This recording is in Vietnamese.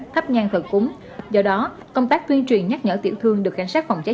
thắp nhang thờ cúng do đó công tác tuyên truyền nhắc nhở tiểu thương được cảnh sát phòng cháy